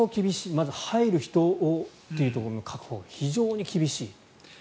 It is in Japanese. まず入る人をという確保が非常に厳しい。